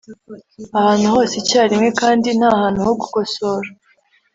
Ahantu hose icyarimwe kandi ntahantu ho gukosora